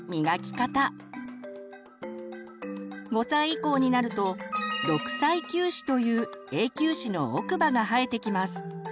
５歳以降になると６歳臼歯という永久歯の奥歯が生えてきます。